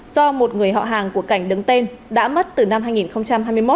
do một người họ hàng của cảnh đứng tên đã mất từ năm hai nghìn hai mươi một